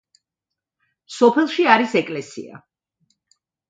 სოფელში არის ეკლესია.